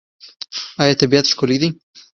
آیا طبیعت ښکلی دی؟